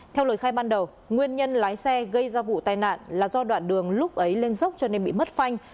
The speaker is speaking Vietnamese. theo lời khai ban đầu nguyên nhân lái xe gây ra vụ tai nạn là do đoạn đường lúc ấy lên dốc cho nên bị mất phanh